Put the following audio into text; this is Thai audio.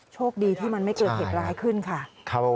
โชคดีที่มันไม่เกิดเหตุร้ายขึ้นค่ะ